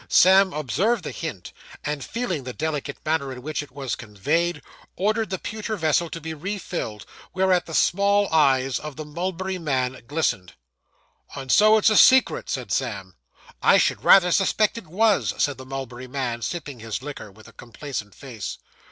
Sam observed the hint; and feeling the delicate manner in which it was conveyed, ordered the pewter vessel to be refilled, whereat the small eyes of the mulberry man glistened. 'And so it's a secret?' said Sam. 'I should rather suspect it was,' said the mulberry man, sipping his liquor, with a complacent face.